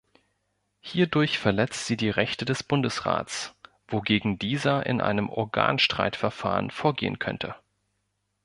Hierdurch verletzt sie die Rechte des Bundesrats, wogegen dieser in einem Organstreitverfahren vorgehen könnte.